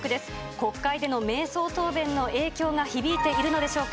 国会での迷走答弁の影響が響いているのでしょうか。